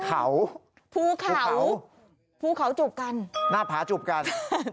เขาจูบกัน